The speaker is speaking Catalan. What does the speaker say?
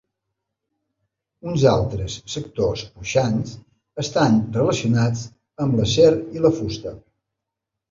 Uns altres sectors puixants estan relacionats amb l’acer i la fusta.